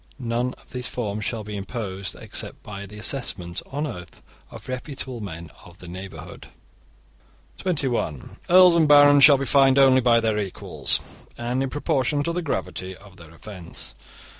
None of these fines shall be imposed except by the assessment on oath of reputable men of the neighbourhood. (21) Earls and barons shall be fined only by their equals, and in proportion to the gravity of their offence.